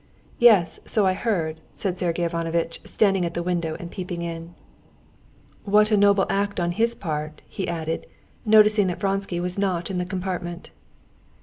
"Yes, so I heard," said Sergey Ivanovitch, standing at her window and peeping in. "What a noble act on his part!" he added, noticing that Vronsky was not in the compartment.